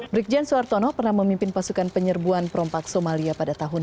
brigjen suartono pernah memimpin pasukan penyerbuan perompak somalia pada tahun dua ribu